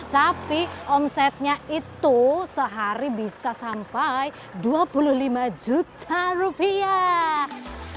tapi omsetnya itu sehari bisa sampai dua puluh lima juta rupiah